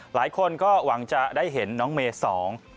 หลายคนก็หวังจะได้เห็นน้องเมย์สอง